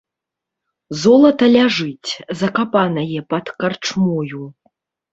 Золата ляжыць, закапанае пад карчмою.